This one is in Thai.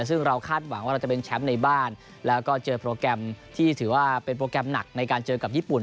ซึ่งเราคาดหวังว่าเราจะเป็นแชมป์ในบ้านแล้วก็เจอโปรแกรมที่ถือว่าเป็นโปรแกรมหนักในการเจอกับญี่ปุ่น